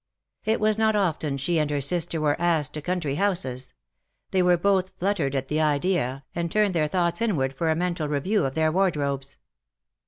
It was not often she and her sister were asked to country houses. They were both fluttered at the idea, and turned their thoughts inward for a mental review of their wardrobes.